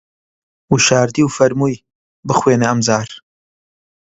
وشاردی و فەرمووی: بخوێنە ئەمجار